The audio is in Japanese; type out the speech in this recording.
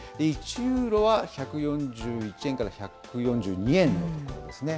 １ユーロは１４１円から１４２円のところですね。